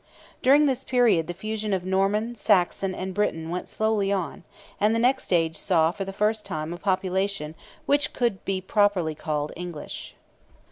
During this period the fusion of Norman, Saxon, and Briton went slowly on, and the next age saw for the first time a population which could be properly called English.